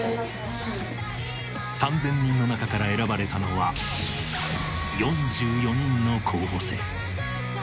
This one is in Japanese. ３０００人の中から選ばれたのは４４人の候補生